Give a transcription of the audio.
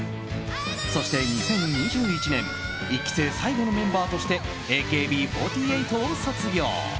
そして２０２１年１期生最後のメンバーとしてＡＫＢ４８を卒業。